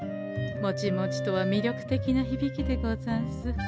もちもちとは魅力的なひびきでござんす。